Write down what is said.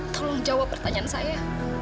tolong jawab pertanyaan saya